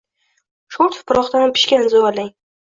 Shoʼr tuproqdan pishgan zuvalang.